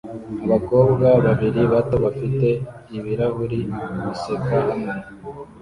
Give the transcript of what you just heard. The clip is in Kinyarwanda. Abakobwa babiri bato bafite ibirahure baseka hamwe